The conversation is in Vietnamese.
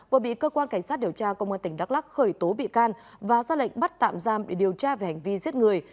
vừa bị cơ quan cảnh sát điều tra công an tỉnh đắk lắc khởi tố bị can và ra lệnh bắt tạm giam để điều tra về hành vi giết người